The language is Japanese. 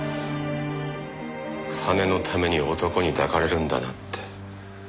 金のために男に抱かれるんだなって。